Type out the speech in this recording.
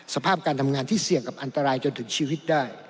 สภาพการทำงานที่เสี่ยงกับอันตรายจนถึงชีวิตได้